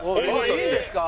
いいんですか？